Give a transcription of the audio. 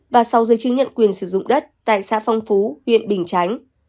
và sáu giấy chứng nhận quyền sử dụng đất tại xã phong phú huyện bình chánh